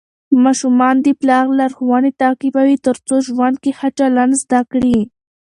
ماشومان د پلار لارښوونې تعقیبوي ترڅو ژوند کې ښه چلند زده کړي.